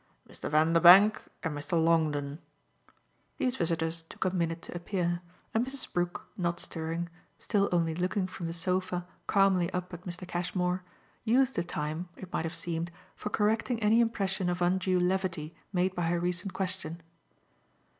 "Mr. Vanderbank and Mr. Longdon." These visitors took a minute to appear, and Mrs. Brook, not stirring still only looking from the sofa calmly up at Mr. Cashmore used the time, it might have seemed, for correcting any impression of undue levity made by her recent question.